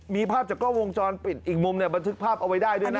มีภาพจากกล้องวงจรปิดอีกมุมเนี่ยบันทึกภาพเอาไว้ได้ด้วยนะ